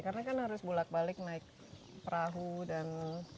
karena kan harus bulat balik naik perahu dan